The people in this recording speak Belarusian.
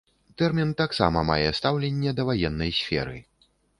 Тэрмін таксама мае стаўленне да ваеннай сферы.